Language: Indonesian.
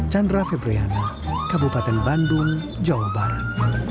chandra febriana kabupaten bandung jawa barat